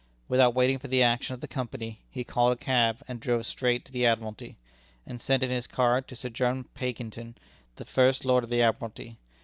Without waiting for the action of the Company, he called a cab, and drove straight to the Admiralty, and sent in his card to Sir John Pakington, then First Lord of the Admiralty.